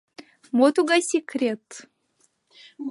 Мо тугай секрет?